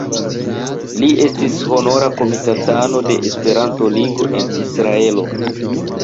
Li estis honora komitatano de Esperanto-Ligo en Israelo.